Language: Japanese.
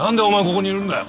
ここにいるんだよ？